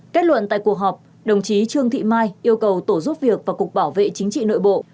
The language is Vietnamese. kết luận tại cuộc họp đồng chí trương thị mai yêu cầu tổ giúp việc và cục bảo vệ chính trị nội bộ